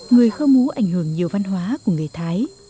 người khơ mú ảnh hưởng nhiều văn hóa của người thái